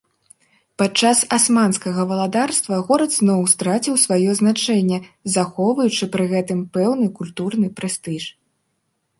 Падчас асманскага валадарства, горад зноў страціў сваё значэнне, захоўваючы пры гэтым пэўны культурны прэстыж.